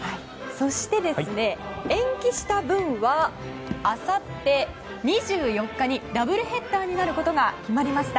そして、延期した分はあさって２４日にダブルヘッダーになることが決まりました。